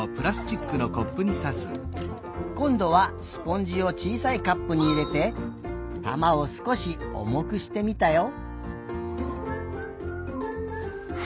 こんどはスポンジをちいさいカップにいれて玉をすこしおもくしてみたよ。